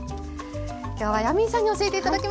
今日はヤミーさんに教えて頂きました。